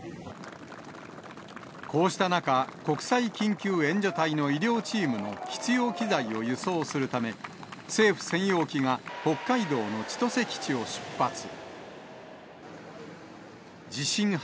こうした中、国際緊急援助隊の医療チームの必要機材を輸送するため、政府専用機が北海道の千歳基地を出発。